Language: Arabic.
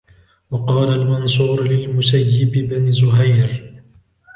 وَقَالَ الْمَنْصُورُ لِلْمُسَيِّبِ بْنِ زُهَيْرٍ